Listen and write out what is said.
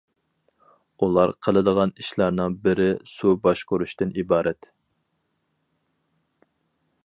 ئۇلار قىلىدىغان ئىشلارنىڭ بىرى سۇ باشقۇرۇشتىن ئىبارەت.